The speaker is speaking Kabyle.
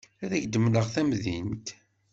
Ad ak-d-mleɣ tamdint.